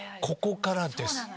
ここからです。